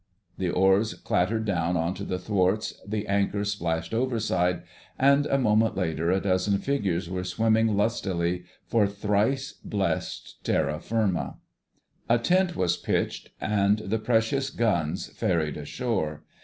The oars clattered down on to the thwarts, the anchor splashed overside, and a moment later a dozen figures were swimming lustily for thrice blessed terra firma. A tent was pitched and the precious guns ferried ashore.